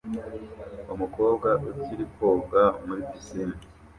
umukobwa ukiri koga muri pisine